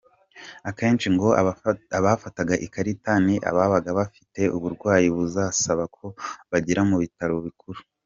Akenshi ngo abafataga ikarita ni ababaga bafite uburwayi buzasaba ko bagera mu Bitaro Bikuru.